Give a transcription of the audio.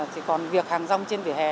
thì còn việc hàng rong trên vỉa hè